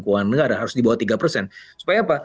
keuangan negara harus di bawah tiga persen supaya apa